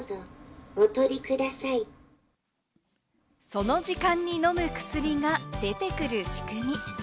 その時間に飲む薬が出てくる仕組み。